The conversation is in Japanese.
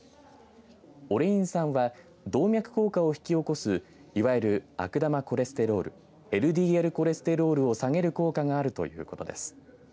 オレイン酸は動脈硬化を引き起こすいわゆる悪玉コレステロールＬＤＬコレステロールを下げる効果があるということです。